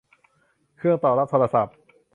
เครื่องตอบรับโทรศัพท์